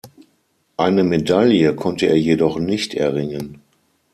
Eine Medaille konnte er jedoch nicht erringen.